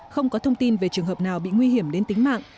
không có thông tin về trường hợp nào bị nguy hiểm đến tính mạng